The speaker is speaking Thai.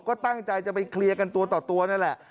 ก็ตั้งใจจะไปเคลียร์กันตัวต่อตัวนั่นแหละ